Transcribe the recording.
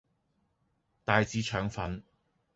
帶子腸粉